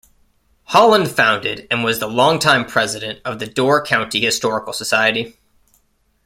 Holand founded and was the long-time president of the Door County Historical Society.